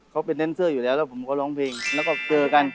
เขาเป็นเน้นเซอร์อยู่แล้วแล้วผมก็ร้องเพลงแล้วก็เจอกัน